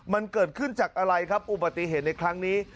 มันเกิดขึ้นจากอะไรครับอุบัติเหตุในครั้งนี้